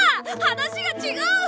話が違う！